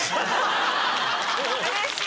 うれしい。